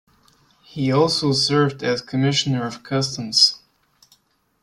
He also served as Commissioner of Customs.